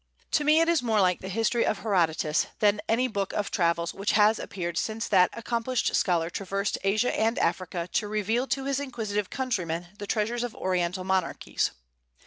To me it is more like the history of Herodotus than any book of travels which has appeared since that accomplished scholar traversed Asia and Africa to reveal to his inquisitive countrymen the treasures of Oriental monarchies.